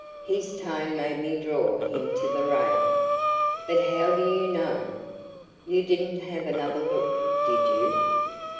His tone made me draw him to the rail. "But how do you know? You didn't have another look, did you?"